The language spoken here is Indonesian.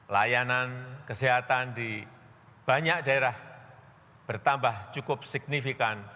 layanan kesehatan di banyak daerah bertambah cukup signifikan